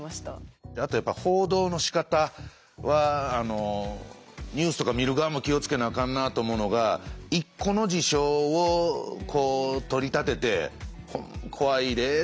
あとやっぱ報道のしかたはニュースとか見る側も気を付けなあかんなと思うのが一個の事象を取り立てて怖いでって言い過ぎるのって何か。